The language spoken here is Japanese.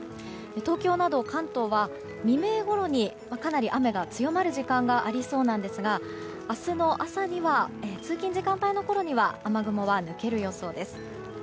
東京など関東は未明ごろに、かなり雨が強まる時間がありそうですが明日の朝通勤時間帯のころには雨雲は抜ける予想です。